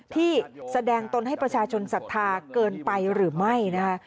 ที่แสดงตนให้ประชาชนศรัทธาเกินไปหรือไม่นะคะ